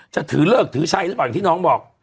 จะถือเลิกถือชัยหรือเปล่าอย่างที่น้องบอก